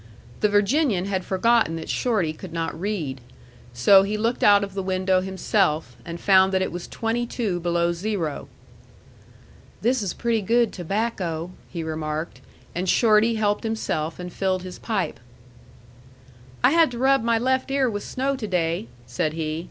The Virginian had forgotten that Shorty could not read. So he looked out of the window himself, and found that it was twenty two below zero. "This is pretty good tobacco," he remarked; and Shorty helped himself, and filled his pipe. "I had to rub my left ear with snow to day," said he.